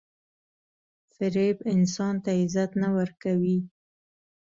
• فریب انسان ته عزت نه ورکوي.